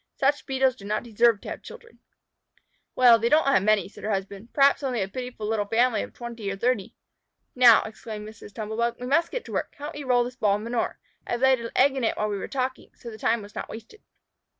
Such Beetles do not deserve to have children." "Well, they won't have many," said her husband. "Perhaps only a pitiful little family of twenty or thirty." "Now," exclaimed Mrs. Tumble bug, "We must get to work. Help me roll this ball of manure. I have laid an egg in it while we were talking, so that time was not wasted."